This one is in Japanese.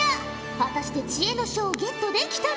果たして知恵の書をゲットできたのか？